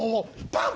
パン！